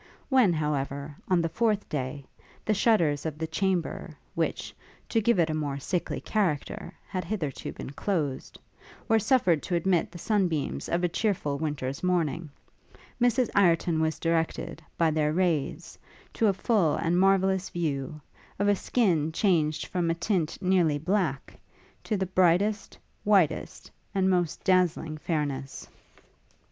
When, however, on the fourth day, the shutters of the chamber, which, to give it a more sickly character, had hitherto been closed, were suffered to admit the sun beams of a cheerful winter's morning, Mrs Ireton was directed, by their rays, to a full and marvellous view, of a skin changed from a tint nearly black, to the brightest, whitest, and most dazzling fairness.